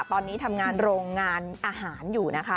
ตอนนี้ทำงานโรงงานอาหารอยู่นะคะ